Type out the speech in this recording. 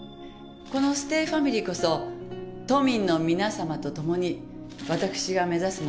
このステイファミリーこそ都民の皆様とともに私が目指すものであります。